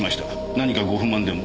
何かご不満でも？